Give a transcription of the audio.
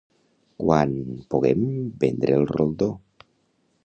-Quan… poguem vendre el roldó…